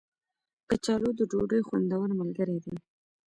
کچالو د ډوډۍ خوندور ملګری دی